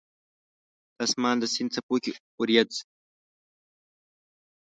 د اسمان د سیند څپو کې اوریځ